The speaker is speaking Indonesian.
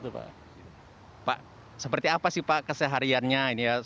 pak seperti apa sih pak kesehariannya